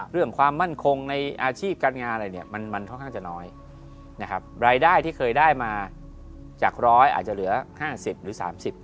เรื่องความมั่นคงในอาชีพการงานอะไรเนี่ยมันค่อนข้างจะน้อยนะครับรายได้ที่เคยได้มาจากร้อยอาจจะเหลือ๕๐หรือ๓๐